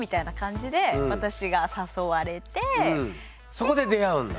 そこで出会うんだ。